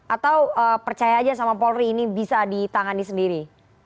atau percaya aja sama polri ini bisa ditangani sendiri